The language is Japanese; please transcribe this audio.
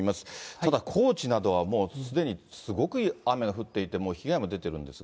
ただ高知などはもうすでにすごく雨が降っていて、被害も出てるんですが。